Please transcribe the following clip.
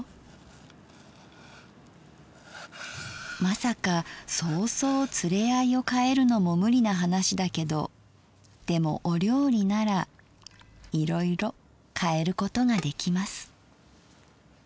まさかそうそう連れ合いをかえるのも無理な話だけどでもお料理ならいろいろ変えることができます」。